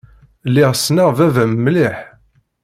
Lliɣ ssneɣ baba-m mliḥ.